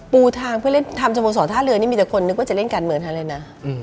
ปูทางเพื่อเล่นทำสโมสรท่าเรือนี่มีแต่คนนึกว่าจะเล่นการเมืองให้เลยนะ